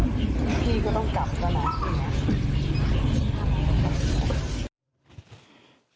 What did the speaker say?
ที่ก็ต้องกลับแล้วนะ